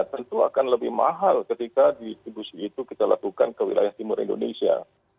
tentu akan lebih mahal ketika distribusi itu kita lakukan ke wilayah timur indonesia